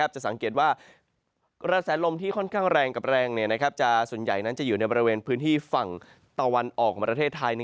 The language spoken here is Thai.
จะสังเกตว่ากระแสลมที่ค่อนข้างแรงกับแรงส่วนใหญ่นั้นจะอยู่ในบริเวณพื้นที่ฝั่งตะวันออกของประเทศไทย